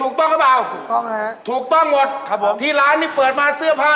คนไหนมีทางเนี่ยพูดกัน